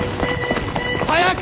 早く！